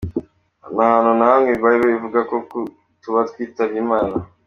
Nta hantu na hamwe bible ivuga ko tuba twitabye imana.